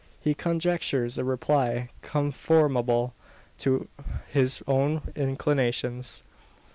He conjectures a reply conformable to his own inclinations.